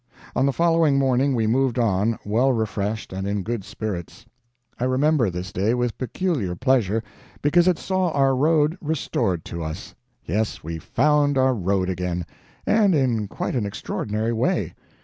On the following morning we moved on, well refreshed and in good spirits. I remember this day with peculiar pleasure, because it saw our road restored to us. Yes, we found our road again, and in quite an extraordinary way.